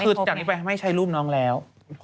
คือจากนี้ไปไม่ใช้รูปน้องแล้ว